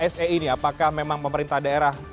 se ini apakah memang pemerintah daerah